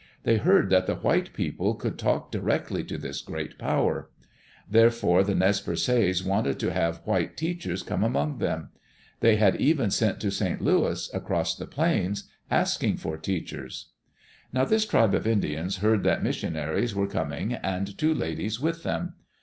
They heard that the white people could talk directly to this Great Power, Therefore the Nez Perces wanted to have white teachers come among them. They had even sent to St. Louis, across the plains, asking for teachers. Now this tribe of Indians heard that missionaries were coming and two ladies with them.